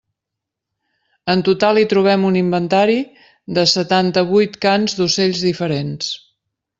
En total hi trobem un inventari de setanta-vuit cants d'ocells diferents.